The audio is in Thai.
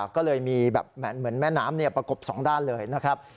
ก็เลยมีแบบเหมือนแม่น้ำประกบสองด้านเลยนะครับ